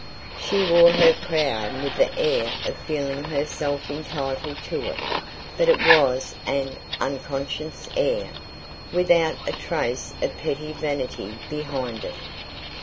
She wore her crown with the air of feeling herself entitled to it; but it was an unconscious air, without a trace of petty vanity behind it.